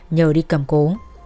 nhờ đi cầm cố